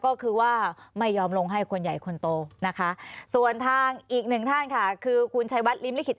ก็คือว่าไม่ยอมลงให้คนใหญ่คนโตนะคะส่วนทางอีกหนึ่งท่านค่ะคือคุณชัยวัดริมลิขิต